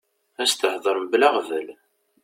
Ad s-tehder mebla aɣbel.